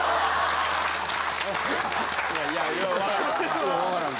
いやよう分からん。